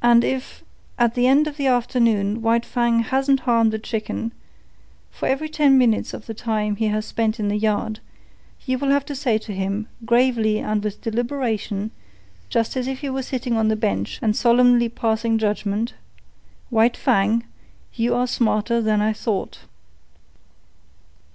"And if, at the end of the afternoon White Fang hasn't harmed a chicken, for every ten minutes of the time he has spent in the yard, you will have to say to him, gravely and with deliberation, just as if you were sitting on the bench and solemnly passing judgment, 'White Fang, you are smarter than I thought.